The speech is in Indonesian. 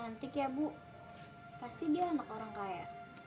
cantik ya bu pasti dia anak orang kaya